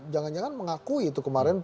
jangan jangan mengakui itu kemarin